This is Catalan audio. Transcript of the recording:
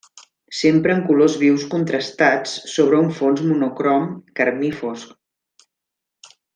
S'empren colors vius contrastats sobre un fons monocrom carmí fosc.